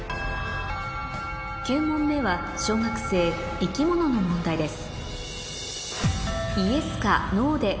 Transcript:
９問目は小学生生き物の問題です